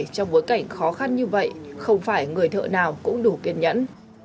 trong bối cảnh khó khăn như vậy không phải người thợ nào cũng đủ kiên nhẫn